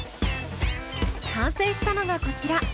完成したのがこちら。